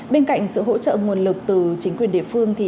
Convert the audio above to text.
bên cạnh sự hỗ trợ nguồn lực từ chính quyền địa phương